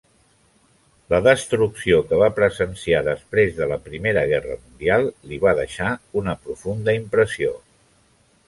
La destrucció que va presenciar després de la Primera Guerra Mundial, li va deixar una profunda impressió.